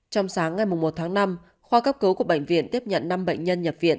trong sáng ngày một tháng năm khoa cấp cứu của bệnh viện tiếp nhận năm bệnh nhân nhập viện